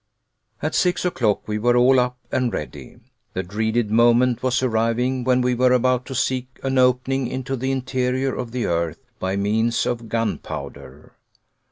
At six o'clock we were all up and ready. The dreaded moment was arriving when we were about to seek an opening into the interior of the earth by means of gunpowder.